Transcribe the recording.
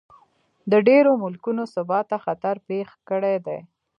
د ډېرو ملکونو ثبات ته خطر پېښ کړی دی.